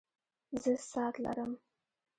زه ساعت لرم